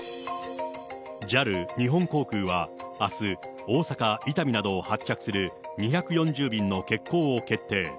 ＪＡＬ・日本航空はあす、大阪伊丹などを発着する２４０便の欠航を決定。